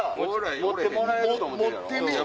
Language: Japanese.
持ってもらえると思ってるやろ？